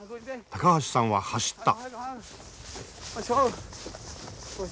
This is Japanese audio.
高橋さんは走った。